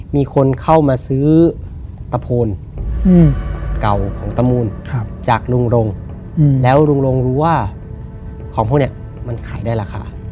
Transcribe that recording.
มีคนเข้ามาซื้อตะโพนเก่าของตะมูลจากลุงรงแล้วลุงรงรู้ว่าของพวกนี้มันขายได้ราคา